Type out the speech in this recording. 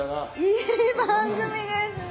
いい番組ですね。